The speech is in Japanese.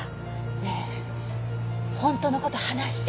ねえ本当の事話して。